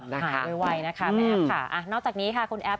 ค่ะไวนะคะแอปค่ะนอกจากนี้ค่ะคุณแอป